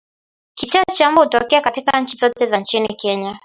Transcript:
Kichaa cha mbwa hutokea katika kaunti zote nchini Kenya